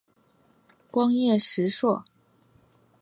光叶石栎